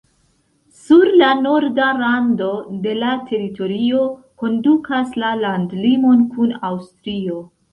Sur la norda rando de la teritorio kondukas la landlimon kun Aŭstrio.